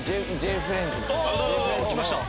きました。